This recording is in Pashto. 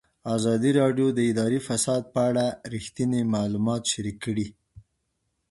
ازادي راډیو د اداري فساد په اړه رښتیني معلومات شریک کړي.